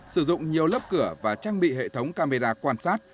sử dụng nhiều lớp cửa và trang bị hệ thống camera quan sát